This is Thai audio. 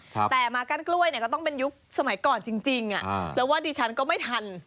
แต่มากก้านกล้วยก็ต้องเป็นยุคสมัยก่อนจริงแล้วว่าดิฉันก็ไม่ทัน